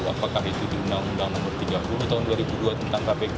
apakah itu di undang undang nomor tiga puluh tahun dua ribu dua tentang kpk